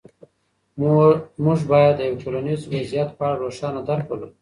موږ باید د یو ټولنیز وضعیت په اړه روښانه درک ولرو.